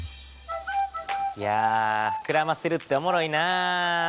いやふくらませるっておもろいな。